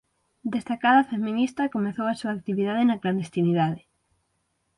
Destacada feminista comezou a súa actividade na clandestinidade.